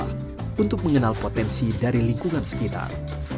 dan juga membuat proyeksi dari lingkungan sekitar